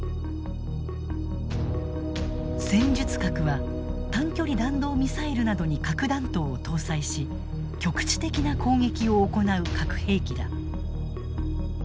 戦術核は短距離弾道ミサイルなどに核弾頭を搭載し局地的な攻撃を行う核兵器だ。